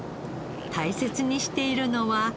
大切にしているのは。